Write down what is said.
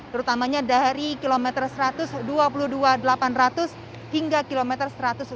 terutamanya dari kilometer seratus dua puluh dua delapan ratus hingga kilometer satu ratus dua puluh satu delapan ratus